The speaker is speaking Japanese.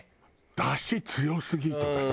だし強すぎ！とかさ。